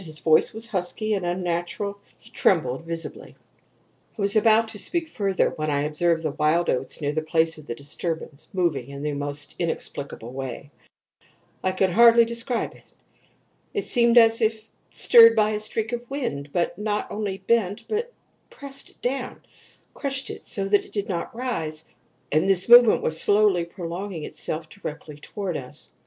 His voice was husky and unnatural. He trembled visibly. "I was about to speak further, when I observed the wild oats near the place of the disturbance moving in the most inexplicable way. I can hardly describe it. It seemed as if stirred by a streak of wind, which not only bent it, but pressed it down crushed it so that it did not rise, and this movement was slowly prolonging itself directly toward us.